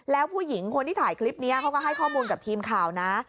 แล้วผู้หญิงคนที่ถ่ายคลิปนี้เขาก็ให้ข้อมูลกับทีมข่าวนะ